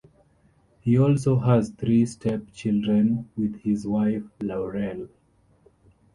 He also has three step children with his wife Laurel.